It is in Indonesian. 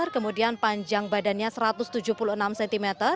kemudian panjang badannya satu ratus tujuh puluh enam cm